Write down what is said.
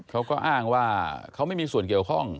เขาก็อ้างว่าเขาไม่มีส่วนเกี่ยวข้อง